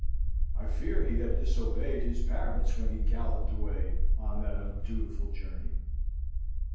I fear he had disobeyed his parents when he galloped away on that undutiful journey.